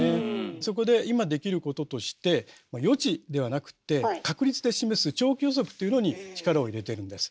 そこで今できることとして予知ではなくって「確率で示す長期予測」っていうのに力を入れてるんです。